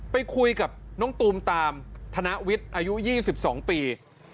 ไปคุยกับน้องตูมตามธนวิทย์อายุ๒๒ปี